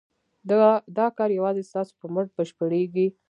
دا کار یوازې ستاسو په مټ بشپړېږي.